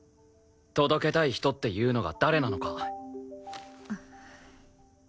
届けたい人っていうのが誰なのか。